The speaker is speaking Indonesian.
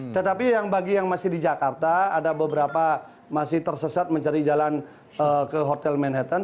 tetapi yang bagi yang masih di jakarta ada beberapa masih tersesat mencari jalan ke hotel manhattan